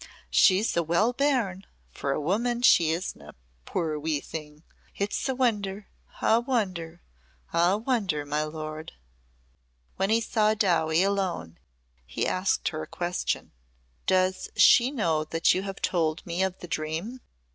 She's a well bairn for woman she isna, puir wee thing! It's a wonder a wonder a wonder, my lord!" When he saw Dowie alone he asked her a question. "Does she know that you have told me of the dream?"